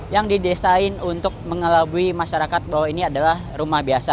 yang didesain untuk mengelabui masyarakat bahwa ini adalah rumah biasa